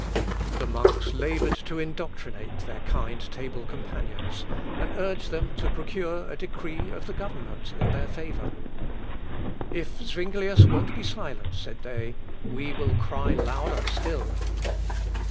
The monks laboured to indoctrinate their kind table companions, and urged them to procure a decree of the government in their favour. "If Zuinglius won't be silent," said they, "we will cry louder still!"